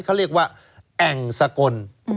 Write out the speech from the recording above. เขาเรียกว่าแอ่งสกล